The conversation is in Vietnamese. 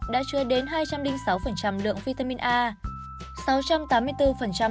đã chứa đến hai trăm linh sáu lượng vitamin a